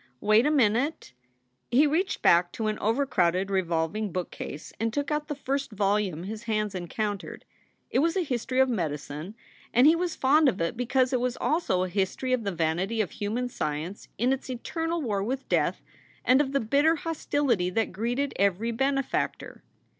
Wait a minute." He reached back to an overcrowded revolving bookcase and took out the first volume his hands encountered. It was a history of medicine, and he was fond of it because it was also a history of the vanity of human science in its eternal war with death and of the bitter hostility that greeted every benefactor.